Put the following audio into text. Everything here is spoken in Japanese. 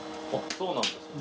そうなんですか？